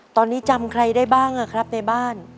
ตอนนี้จำใครได้บ้างครับในบ้าน